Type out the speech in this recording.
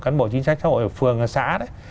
cán bộ chính sách xã hội ở phường ở xã đấy